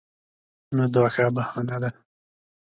نو دا ښه بهانه ده.